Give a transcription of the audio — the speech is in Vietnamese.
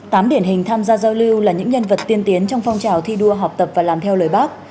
tám điển hình tham gia giao lưu là những nhân vật tiên tiến trong phong trào thi đua học tập và làm theo lời bác